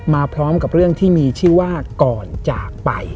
มาพร้อมกับเรื่องที่มีชื่อว่าก่อนจากไป